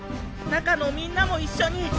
中のみんなも一緒に。